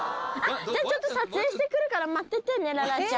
じゃあちょっと撮影してくるから待っててね。